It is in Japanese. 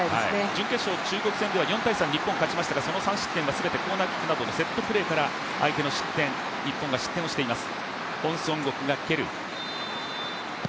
準決勝、中国戦では４−３で日本が勝ちましたがその３失点は全てコーナーキックなどのセットプレーから相手の失点、日本が失点をしています。